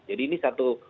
jadi ini satu